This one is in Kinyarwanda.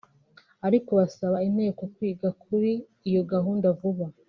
ariko basaba Inteko kwiga kuri iyo gahunda vuba